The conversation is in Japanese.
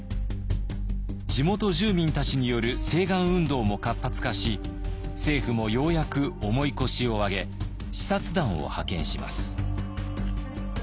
地元住民たちによる請願運動も活発化し政府もようやく重い腰を上げ視察団を派遣します。